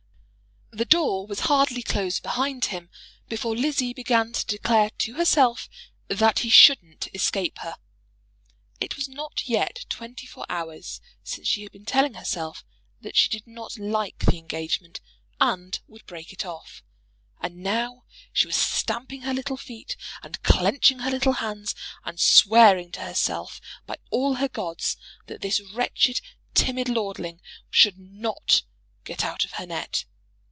The door was hardly closed behind him before Lizzie began to declare to herself that he shouldn't escape her. It was not yet twenty four hours since she had been telling herself that she did not like the engagement and would break it off; and now she was stamping her little feet, and clenching her little hands, and swearing to herself by all her gods, that this wretched, timid lordling should not get out of her net.